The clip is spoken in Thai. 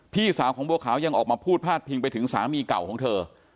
พี่สาวของบัวขาวยังออกมาพูดพาดพิงไปถึงสามีเก่าของเธอ